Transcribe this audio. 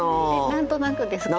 何となくですけど。